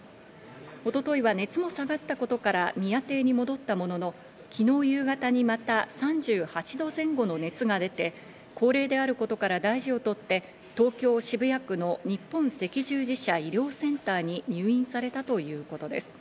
一昨日は熱も下がったことから宮邸に戻ったものの、昨日夕方にまた３８度前後の熱が出て、高齢であることから、大事をとって東京・渋谷区の日本赤十字社医療センターに入院されたということです。